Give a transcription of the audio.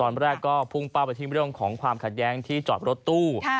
ตอนแรกก็พุ่งเป้าไปที่เรื่องของความขัดแย้งที่จอดรถตู้